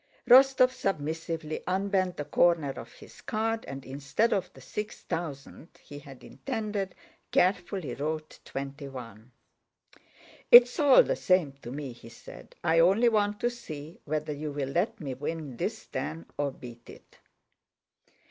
Rostóv submissively unbent the corner of his card and, instead of the six thousand he had intended, carefully wrote twenty one. "It's all the same to me," he said. "I only want to see whether you will let me win this ten, or beat it."